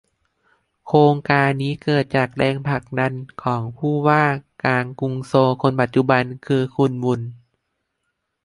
โครงการนี้เกิดจากแรงผลักดันของผู้ว่าการกรุงโซลคนปัจจุบันคือคุณวูน